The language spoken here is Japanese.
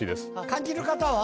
感じる方は？